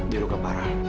dia luka parah